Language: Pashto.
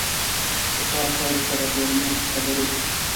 پخو چایو سره ګرمې خبرې وي